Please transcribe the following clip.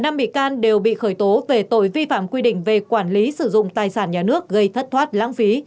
năm bị can đều bị khởi tố về tội vi phạm quy định về quản lý sử dụng tài sản nhà nước gây thất thoát lãng phí